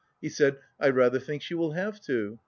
He said, "I rather think she will have to.